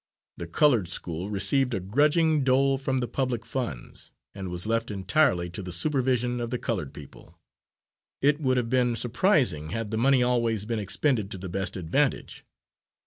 The coloured school received a grudging dole from the public funds, and was left entirely to the supervision of the coloured people. It would have been surprising had the money always been expended to the best advantage.